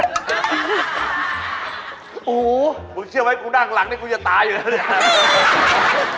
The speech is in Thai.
โอ้โฮมึงเชื่อไว้กูนั่งหลังนี่กูอย่าตายอยู่แล้วนะครับ